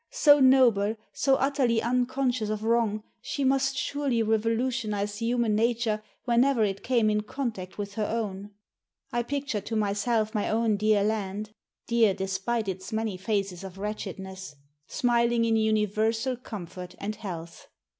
So noble, so utterly unconscious of wrong, she must surely revolutionize human nature whenever it came in contact with her own. I pictured to myself my own dear land dear, despite its many phases of wretchedness smiling in universal comfort and health.